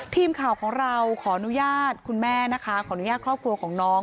ทีมข่าวของเราขออนุญาตคุณแม่นะคะขออนุญาตครอบครัวของน้อง